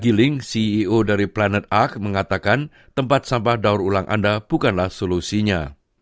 giling ceo dari planet art mengatakan tempat sampah daur ulang anda bukanlah solusinya